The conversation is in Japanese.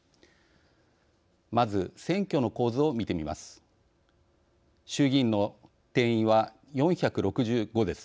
まず、選挙の構図を見てみます。